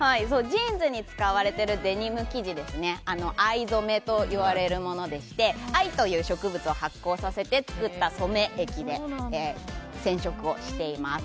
ジーンズに使われているデニム生地は藍染めといわれるものでして藍という植物を発酵させて作った染め液で染色をしています。